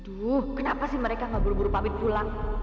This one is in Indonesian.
aduh kenapa sih mereka gak buru buru pamit pulang